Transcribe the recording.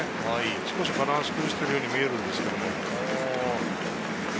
少しバランスを崩しているように見えるんですけれど。